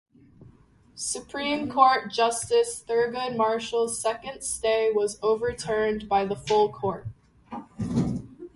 Supreme Court Justice Thurgood Marshall's second stay was overturned by the full Court.